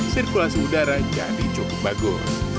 sirkulasi udara jadi cukup bagus